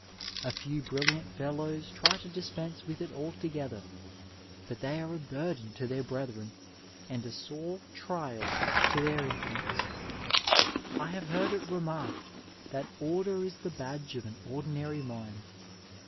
A few brilliant feUows try to dispense with it altogether, but they are a burden to th^ brethren and a sore trial to their intimates. I have heard it remarked that order is the badge of an ordinary mind.